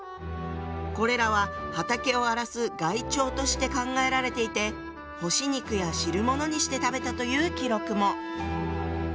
これらは畑を荒らす害鳥として考えられていて干し肉や汁物にして食べたという記録も。